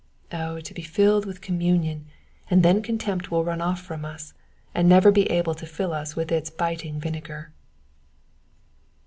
Oh to be filled with communion, and then contempt will run off from us, and never be able to fill us with its biting vinegar.